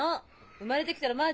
生まれてきたらまあ